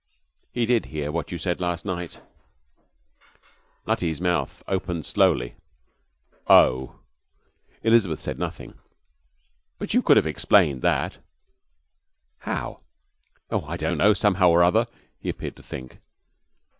'He did hear what you said last night.' Nutty's mouth opened slowly. 'Oh!' Elizabeth said nothing. 'But you could have explained that.' 'How?' 'Oh, I don't know somehow or other.' He appeared to think.